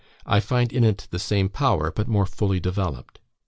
I find in it the same power, but more fully developed.